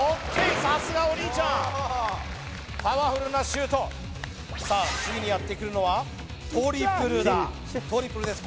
さすがお兄ちゃんパワフルなシュートさあ次にやってくるのはトリプルだトリプルです